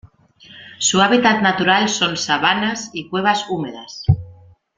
Su hábitat natural son sabanas y cuevas húmedas.